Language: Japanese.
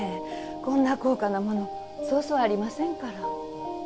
こんな高価なものそうそうありませんから。